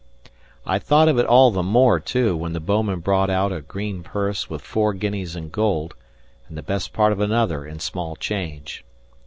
I thought of it all the more, too, when the bouman brought out a green purse with four guineas in gold, and the best part of another in small change.